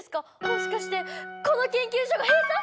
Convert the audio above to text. もしかしてこの研究所が閉鎖！？